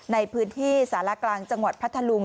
ในพื้นที่สารกลางจังหวัดพัทธลุง